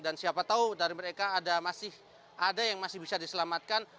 dan siapa tahu dari mereka ada yang masih bisa diselamatkan